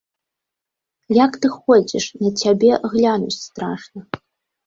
Як ты ходзіш, на цябе глянуць страшна!